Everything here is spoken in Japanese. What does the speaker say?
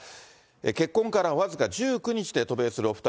結婚から僅か１９日で渡米する２人。